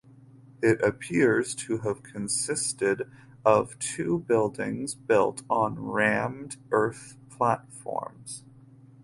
It appears to have consisted of two buildings built on rammed earth platforms.